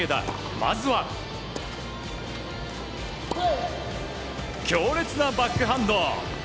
まずは強烈なバックハンド。